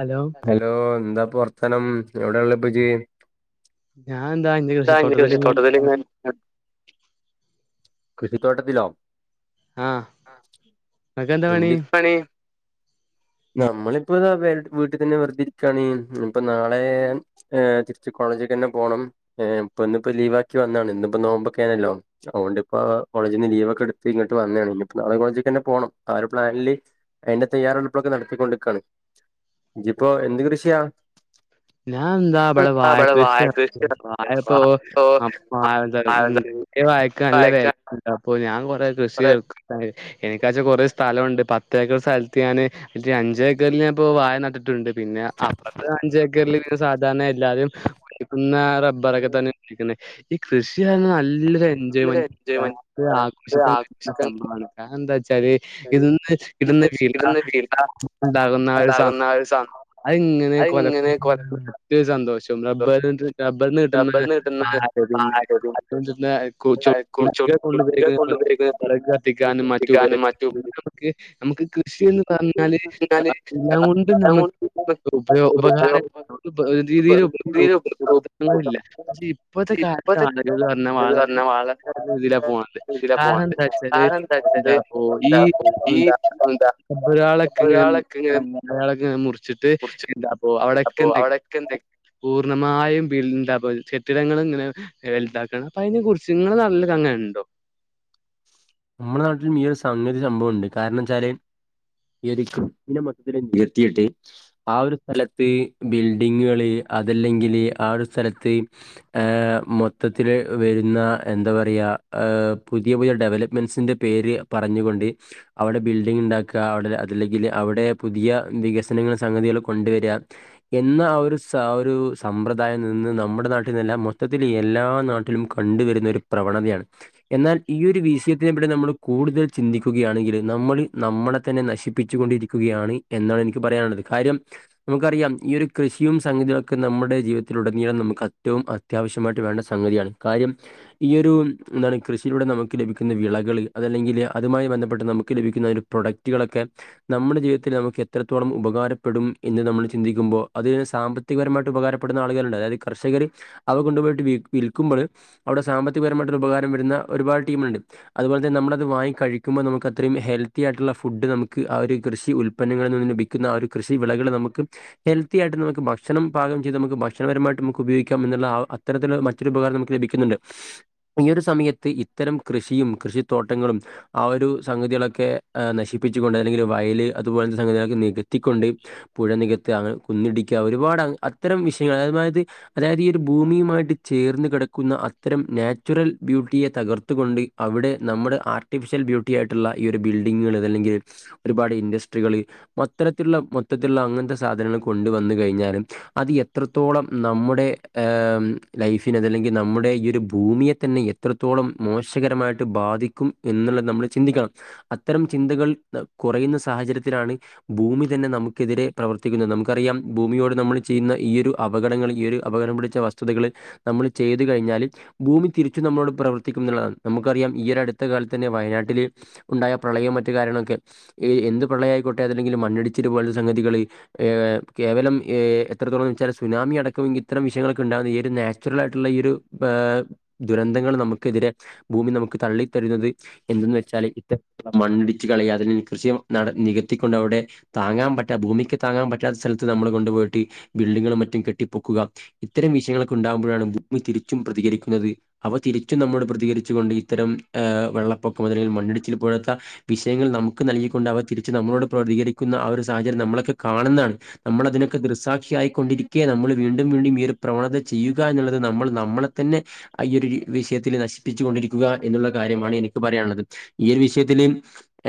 Hello hello എന്താ ഇപ്പൊ വർത്താനം, എവിടെയുള്ള ഇപ്പച്ചി. ഞാൻ ഇതാ ഇന്ന് കൃഷിത്തോട്ടത്തിൽ ഇങ്ങനെ, കൃഷിത്തോട്ടത്തിലോ. ആഹ്, ഇങ്ങക്ക് എന്താ എന്ത് പണി. നമ്മളിപ്പോ അതെ വീട്ടിൽ തന്നെ വെറുതെ ഇരിക്കുകയാണേ, ഉം ഇപ്പൊ നാളെ ഏഹ് തിരിച്ച് കോളേ ജിക്ക് തന്നെ പോണം. ഏഹ് ഇപ്പ ഇന്നിപ്പോ ലീവ് ആക്കി വന്നാണ്, ഇന്നിപ്പോ നോമ്പൊക്കെ ആണല്ലോ, അതുകൊണ്ട് ഇപ്പൊ കോളേജിൽ നിന്ന് ലീവ് ഒക്കെ എടുത്ത് ഇങ്ങോ ഇപ്പൊ വന്നതാണ്, ഇനിയിപ്പോ നാളെ കോളേജിക്ക് തന്നെ പോണം, ആഹ് ഒരു പ്ലാനില് അതിന്റെ തയ്യാറെടുപ്പ് ഒക്കെ നടത്തിക്കൊണ്ടേ നിക്കാണ്. ഇജ്ജ് ഇപ്പൊ എന്ത് കൃഷിയാ. ഞാൻ എന്താ ഇവിടെ വാഴ കൃഷി നടത്തുവാ. അതിപ്പോ വാഴ ഇപ്പോ ആഹ് വാഴ എന്താണ് ഉം വാഴ എന്തൊരു കേടു വാഴയൊക്കെ നല്ല വെൽ വാഴക്ക എന്തിപ്പോ ഞാൻ ഇവിടെ. ഇപ്പൊ ഏത് കൃഷിയാ വെക്കേണ്ടത്. എനിക്കാച്ച് കുറേ സ്ഥലമുണ്ട്, പത്ത് ഏക്കർ സ്ഥലത്ത് ഞാന് ഇതിൽ അഞ്ച് ഏക്കറിൽ ഞാൻ ഇപ്പോ വാഴ നട്ടിട്ടുണ്ട് പിന്നെ. അപ്പുറത്ത് അഞ്ച്. ഏക്കറിലെ പിന്നെ സാധാരണ എല്ലാരും എടുക്കുന്ന റബർ ഒക്കെ തന്നെ നിക്കുന്നേ. ഈ കൃഷിയാണ് നല്ലൊരു എൻജോയ്മെന്റ് തന്നെ എൻജോയ്മെന്റ് ആഘോഷിക്കാനുള്ള ഒരു ആഘോഷിക്കാൻ സംഭവമാണ്, ആഹ് എന്താ. ച്ചാല് ഇത് ഇന്ന് ഇടുന്ന വീ ഇടുന്ന് [unintelligible] വീണ്ട ഉണ്ടാകുന്ന ഒരു സം ഉണ്ടാകുന്ന ഒരു സ അയ്ങ്ങനെ കൊല അതിങ്ങനെ കൊല [unintelligible] സന്തോഷം റബ്ബറിന്റെ റബ്ബറിന്ന് കിട്ടുന്ന റബ്ബർന്ന് കിട്ടുന്ന പാൽ പാലും [unintelligible] [unintelligible] വിറക് കൊണ്ടുപയോഗിക്കുന്ന കത്തിക്കാനും മറ്റുപലേ കത്തിക്കാനും മറ്റും നമുക്ക് നമുക്ക് കൃഷിന്ന് പറഞ്ഞാല് എന്നാല് എല്ലാം കൊണ്ടും നമുക്ക് ഉപയോ ഉപകാര [unintelligible] രീതിയില് [unintelligible] ങ്ങളുല്ല പക്ഷേ ഇപ്പോഴത്തെ ഇപ്പത്തെ കാലത്താളുകള് പർഞ്ഞാ വളരെ പറഞ്ഞ വളരെ [unintelligible] പോണത് ഇതിലാ കാരണം പോണത് ണംന്താച്ചാല് കാരണം എന്താ വച്ചാല് എന്താപ്പോ ഈ എന്താ ഈ എന്താ എന്താ അതൊരാളൊക്കെ ഇങ്ങനെ ഒരാളൊക്കെ മു ഇങ്ങനെ [unintelligible] ഇങ്ങനെ മുറിച്ചിട്ട് മുറിച്ച് എന്താപ്പോ അവിടെ അപ്പൊ ന്തെക്കെ അവിടൊക്കെ എന്തെ പൂർണമായും ബിൽന്താപൊ [unintelligible] കെട്ടിടങ്ങള് ഇങ്ങനെ വലുതാക്കണ അപ്പൊ അയിനെ കുറിച്ച്ങ്ങളെ നല്ലതങ്ങനെണ്ടോ നമ്മുടെ നാട്ടില് ഈ ഒരു സംഗതി സംഭവുണ്ട് കാരണംച്ചാല് ഈ ഒരു [unintelligible] നിർത്തിയിട്ട് ആ ഒരു സ്ഥലത്ത് ഈ ബിൽഡിങ്ങുകള് അതല്ലങ്കില് ആ ഒരു സ്ഥലത്ത് ഏ മൊത്തത്തില് വരുന്ന എന്താ പറയാ [unintelligible] പുതിയ പുതിയ ഡെവലപ്പ് മെൻസിന്റെ പേര് പറഞ്ഞുകൊണ്ട് അവിടെ ബിൽഡിംഗ്ണ്ടാക്കുക അവിടെ അതല്ലെങ്കില് അവിടെ പുതിയ വികസനങ്ങള് സംഗതികളള് കൊണ്ട് വരാ എന്ന ആ ഒരു സ ഒരു സമ്പ്രദായം നിന്ന് നമ്മുടെ നാട്ടിൽന്നല്ല മൊത്തത്തില് ഈ എല്ലാ നാട്ടിലും കണ്ടുവരുന്ന ഒരു പ്രവണതയാണ് എന്നാൽ ഈ ഒരു വിഷയ ഇതിനെപറ്റി നമ്മള് കൂടുതൽ ചിന്തിക്കുകയാണെങ്കില് നമ്മള് നമ്മളതന്നെ നശിപ്പിച്ചു കൊണ്ടിരിക്കുകയാണ് എന്നാണ് എനിക്ക് പറയാനുള്ളത് കാര്യം നമുക്കറിയാം ഈ ഒരു കൃഷിയും സംഗതി ഒക്കെ നമ്മുടെ ജീവിതത്തില ഉടനീളം നമുക്ക് അ ഏറ്റവും അത്യാവശ്യമായിട്ട് വേണ്ട സംഗതിയാണ് കാര്യം ഈ ഒരു എന്താണ് കൃഷിയിലൂടെ നമുക്ക് ലഭിക്ക ക്കുന്ന വിളകള് അതല്ലെങ്കില് അതുമായി ബന്ധപ്പെട്ട് നമുക്ക് ലഭിക്കുന്ന പ്രൊഡക്റ്റുകളൊക്കെ നമ്മുടെ ജീവിതത്തില് നമുക്ക് എത്രത്തോളം ഉപകാരപ്പെടും എന്ന് നമ്മള് ചിന്തിക്കുമ്പോ അത് സാമ്പത്തികപരമായിട്ട് ഉപകാരപ്പെടുന്ന ആളുകാരുണ്ട് അതായത് കർഷ കർഷകര് അവ കൊണ്ടുപോയിട്ട് വി വിൽക്കുമ്പള് അവിടെ സാമ്പത്തികപരമായിട്ട് ഉപകാരം വരുന്ന ഒരുപാട് ടീമുണ്ട് അതുപോലെ തന്നെ നമ്മളത് വാങ്ങി കഴിക്കുമ്പോ നമുക്ക് അത്രയും ഹെൽത്തി ആയിട്ടുള്ള ഫുഡ് നമുക്ക് ആ ഒരു കൃഷി ഉൽപന്നങ്ങള് വിന്നു ലഭിക്കുന്ന അ ഒരു കൃഷി വിളകള് നമുക്ക് ഹെൽത്തിയായിട്ട് നമക്ക് ഭക്ഷണം പാകം ചെയ്ത് നമുക്ക് ഭക്ഷപരമായിട്ട് നമ്മുക്ക് ഉപയോഗിക്കാം എന്നുള്ള ആ അത്തരത്തില് മറ്റൊരുപകാരം നമുക്ക് ലഭിക്കുന്നുണ്ട് ഈ ഒരു സമയത്ത് ഇത്തരം കൃഷിയും കൃഷിത്തോട്ടങ്ങളും ആ ഒരു സംഗതികളൊക്കെ അ നശിപ്പിച്ചുകൊണ്ട് അല്ലെങ്കിൽ വയല് അത്പോ ലത്തെ സംഗതികളക്കെ നികത്തിക്കൊണ്ട് പുഴ നികത്തുക അങ്ങ കുന്നിടിക്ക ഒരുപാട് അങ്ങ് അത്തരം വിഷയങ്ങൾ അത് മാതിരി അതായത് ഈ ഒരു ഭൂമിയുമായിട്ട് ചേർന്ന് കെടക്കുന്ന അത്തരം നാച്ചുറൽ ബ്യൂട്ടിയെ തകർ ത്ത് കൊണ്ട് അവിടെ നമ്മുടെ ആർട്ടിഫിഷ്യൽ ബ്യൂട്ടി ആയിട്ടുള്ള ഈയൊരു ബിൽഡിങ്ങ്കള് അതല്ലെങ്കില് ഒരുപാട് ഇൻഡസ് ട്രികള് അത്തരത്തിലുള്ള മൊത്തത്തിൽള്ള അങ്ങനത്തെ സാധനങ്ങള് കൊണ്ട് വന്ന് കഴിഞ്ഞാലും അത് എത്രത്തോളം നമ്മുടെ ഏ ലൈഫിനതല്ലെങ്കി നമ്മുടെ ഈ ഒരു ഭൂമിയെ തന്നെ എത്രത്തോളം മോശകരമായിട്ട് ബാധിക്കും എന്നുള്ള നമ്മള് ചിന്തിക്കണം അത്തരം ചിന്തകൾ കുറയുന്ന സാ ഹജര്യത്തിലാണ് ഭൂമി തന്നെ നമുക്കെതിരെ പ്രവർത്തിക്കുന്നെ നമുക്കറിയാം ഭൂമിയോട് നമ്മള് ചെയ്യ്ന്ന ഈ ഒരു അവ പകടങ്ങള് ഈ ഒരു അപകടം പിടിച്ച വസ്തുതകള് നമ്മള് ചെയ്ത് കഴിഞ്ഞാല് ഭൂമി തിരിച്ച് നമ്മളോട് പ്രവ ത്തിക്കുന്നുള്ളതാണ് നമുക്കറിയാം ഈയൊരടുത്ത കാലത്തുതന്നെ വയനാട്ടില് ഉണ്ടായ പ്രളയം മറ്റു കാര്യങ്ങളൊക്കെ ഈ എന്ത് പ്രളയായിക്കോട്ടെ അതല്ലെങ്കില് മണ്ണ്ട്ച്ചില് പോല്ള്ള സംഗതികള് ഏ കേവലം ഏ എത്രത്തോളംന്ന് വെച്ചാ സുനാമിയടക്കം ഇത്തരം വിഷയങ്ങളൊക്കെണ്ടാകുന്നെ ഈയൊരു നാച്ചുറലായിട്ടുള്ള ഈ ഒരു പാ ദുരന്തങ്ങള് നമ് ക്കെതിരെ ഭൂമി നമുക്ക് തള്ളിത്തരുന്നത് എന്തെന്ന് വെച്ചാല് [inaudible] മണ്ണിടിച്ച് കളയാ അതിന് കൃഷിയിടം നട നികത്തിക്കൊണ്ടവിടെ താങ്ങാൻ പറ്റാ ഭൂമിക്ക് താങ്ങാൻ പറ്റാത്ത സ്ഥലത്ത് നമ്മള് കൊണ്ട് പോയിട്ടി ബിൽഡിങ്ങും മറ്റും കെട്ടിപ്പൊക്കുക ഇത്തരം വിഷയങ്ങളൊക്കെ ഉണ്ടാകുമ്പഴാണ് ഭൂമി തിരിച്ചും പ്രതികരിക്കുന്നത് അവ തിരി ച്ചും നമ്മോട് പ്രതികരിച്ചുകൊണ്ട് ഇത്തരം ഏ വെള്ളപ്പൊക്കം അതല്ലെ മണ്ണിടിച്ചില് പോലത്തെ വിയങ്ങൾ നമുക്ക് നൽകി കൊണ്ടവ തിരിച്ച് നമ്മളോട് പ്രതികരിക്കുന്ന ആ ഒര് സാഹചര്യം നമ്മളൊക്കെ കാണുന്നാണ് നമ്മളതിനൊക്കെ ദൃസാക്ഷിയായിക്കൊ ണ്ടിരിക്ക നമ്മൾ വീണ്ടും വീണ്ടും ഈ ഒരു പ്രവണത ചെയ്യുക എന്നുള്ളത് നമ്മള് നമ്മളെ തന്നെ ആ ഈ ഒരു വിഷയത്തില് നശ്പ്പിച്ച് കൊണ്ടിരിക്കുക എന്നുള്ള കാര്യമാണ് എനിക്ക് പറയാനുള്ളത് ഈ ഒരു വിഷയത്തില്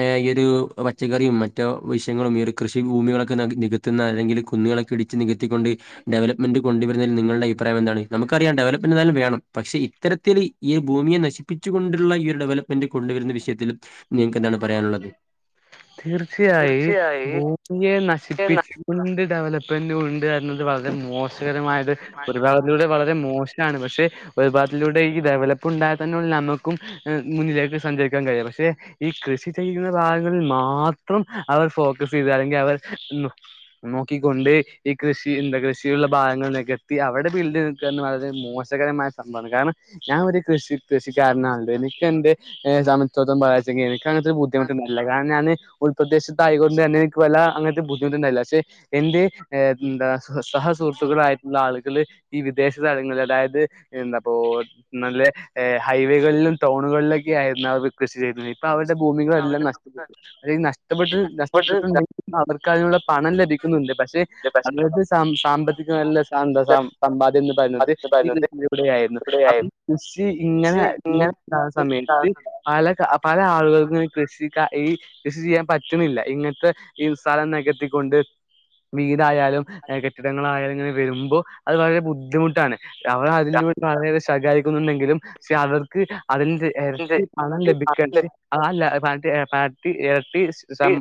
ഏ എ രു പച്ചക്കറിയും മറ്റു വിശയങ്ങളും ഈ ഒരു കൃഷി ഭൂമികളൊക്കെ നി നികത്ത്ന്ന അല്ലെങ്കിൽ കുന്നുകളൊക്കെ ഇടിച്ച് നിക ത്തി കൊണ്ട് ഡെവലപ്മെന്റ് കൊണ്ട് വര്ന്നതിന് നിങ്ങൾടെ അയ്പ്രായമെന്താണ് നമുക്കറിയാം ഡെലപ്മെന്റ് ന്തായാലും വേണം പക്ഷെ ഇ ത്തരത്തിലി ഈ ഭൂമിയെ നശിപ്പിച്ചു കൊണ്ടുള്ള ഈ ഒരു ഡെവലപ്മെന്റ് കൊണ്ട് വരുന്ന വിഷയത്തില് നിങ്ങക്കെന്താണ് പറയാനുള്ളത് തീർച്ചയായി ഭൂമിയെ നശിപ്പിച്ച് [unintelligible] ഡെവലപ്മെന്റുണ്ട് അ ന്നത് വളരെ മോശകരമായത് [unintelligible] വളരെ മോശാണ് പഷ് ഒര് ഭാഗത്തിലൂടെ ഈ ഡെവലപ് [unintelligible] അമ്മക്കും എ മുന്നിലേക്ക് സഞ്ചരിക്കാൻ കഴിയ പക്ഷേ ഈ കൃഷി ചെയ്യുന്ന ഭാഗങ്ങ മാത്രം അവർ ഫോക്കസെയ്ത് അല്ലെങ്കി അവർ നോ നോക്കിക്കൊണ്ട് ഈ കൃഷി [unintelligible] കൃഷിയുള്ള ഭാഗങ്ങള്ലേക്കെത്തി അവടെ ബീൽഡ് [unintelligible] വളരെ മോശകരമായ സംഭവാണ്, കാരണം ഞാ ഇത് കൃഷി [unintelligible] [unintelligible] എനിക്കെന്റെ ഏഹ് സമത്വതം [unintelligible] എനിക്ക് അങ്ങൻത്തെ ബുദ്ധിമുട്ട്ന്ന്ല്ല, കാരണം ഞാന് ഒരു പ്രദേശത്തായകൊണ്ട് തന്നെ എൻക്ക് വല്ലാ അങ്ങൻത്തെ ബുദ്ധിമുട്ട്ണ്ടായില്ല, പക്ഷേ എന്റെ എന്താ സഹ സഹ സുഹൃത്തുക്കളായിട്ട്ള്ള ആള്കള് ഈ വിദേശ സ്ഥലങ്ങളിൽ അതായത് എന്താപ്പോ നല്ല ഏഹ് ഹൈവേകൾലും ടൗണുകൾലെക് ക്കെയായിര്ന്ന് അവർ റിക്വസ്റ്റ് ചെയ്ത്ന് ഇപ്പ അവര്ടെ ഭൂമികളെല്ലാം നഷ് [unintelligible] [unintelligible] നഷ്ടപ്പെട്ട് നഷ്ടപ്പെട്ടിട്ട്ണ്ടെങ്കി അവർക്ക് അതിനുള്ള പണം ലഭിക്കുന്നുണ്ട്, പക്ഷേ അന്നത്തെ സാമ് സാമ്പത്തിക നല്ല ശാന്ത സാ സമ്പാദ്യം പറയ്ന്നത് ഈ [unintelligible] അപ്പം കൃഷി ഇങ്ങനെ [unintelligible] സമയത്ത് പല ക പല ആളുകൾക്കും ഈ കൃഷി ക ഈ കൃഷി ചെയ്യാൻ പറ്റ്ന്നില്ല, ഇങ്ങൻത്തെ ഈ സ്ഥലം നെകത്തിക്കൊണ്ട് വീ ടായാലും എ കെട്ടിടങ്ങളായാലും ഇങ്ങനെ വരുമ്പോ അത് വളരെ ബുദ്ധിമുട്ടാണ്. അവ അതിലൂടെ വളരെ ഏറെ സഹകരിക്കുന്നുണ്ടെങ്കിലും ക്ഷേ അവർക്ക് അതിന്റെ എരട്ടി പണം ലഭിക്കൻച്ച് ആ ലാ [unintelligible] പാർട്ടി [unintelligible] ട്ടി സം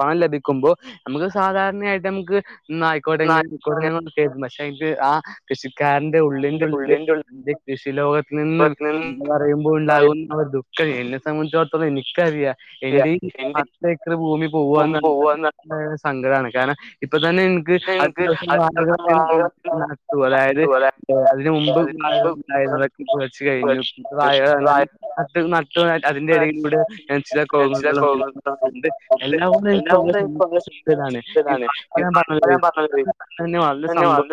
പണം ലഭിക്കുമ്പോ നമുക്ക് സാധാരണയായിട്ട് നമ്മ്ക്ക് ന്നായിക്കോട്ടെ [unintelligible] പക്ഷേ [unintelligible] ആ കൃഷി ക്കാരന്റെ ഉള്ളിന്റെ ഉള്ളില് ന്റെ കൃഷി ലോകത്തിൽ നിന്ന് ന്ന് പറയുമ്പോളുണ്ടാകുന്ന ഒര് ദു ഖം എന്നെ സംബന്ധിച്ചോട്ത്തോളം എനിക്കറിയാ. എന്റെ ഈ പത്ത് ഏക്കർ ഭൂമി പോവാന്ന് പർഞ്ഞാ [unintelligible] സങ്കടാണ് കാരണം ഇ ഇപ്പൊ തന്നെ എനിക്ക് അത്യാവശ്യ [unintelligible] അതായത് [unintelligible] അതിന് മുമ്പ് [unintelligible] [unintelligible] അതിൻ്റെ ഇടയിലൂടെ [unintelligible] [unintelligible] [unintelligible] അതിൻ്റെ സന്തോ